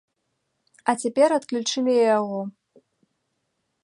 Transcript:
А цяпер адключылі і яго.